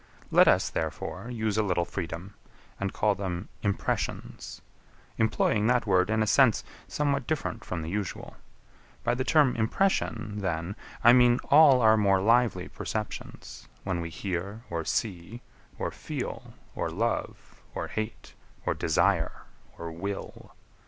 Let us, therefore, use a little freedom, and call them Impressions; employing that word in a sense somewhat different from the usual. By the term impression, then, I mean all our more lively perceptions, when we hear, or see, or feel, or love, or hate, or desire, or will.